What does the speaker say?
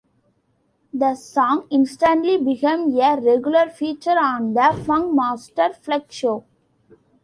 The song instantly became a regular feature on the Funkmaster Flex show.